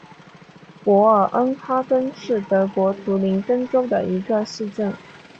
博尔恩哈根是德国图林根州的一个市镇。